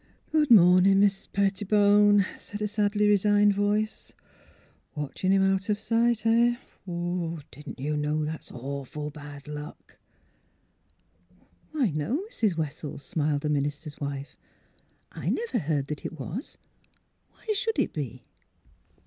'' Good mornin', Mis' Pettibone," said a sadly resigned voice. '' Watchin' him out of sight — uh? Didn't you know that was awful bad luck? "*' Why no, Mrs. Wessels," smiled the minis ter's wife, '' I never heard that it was. Why should it be?